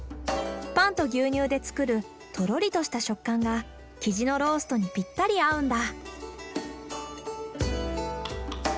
パンと牛乳で作るとろりとした食感がキジのローストにぴったり合うんだ。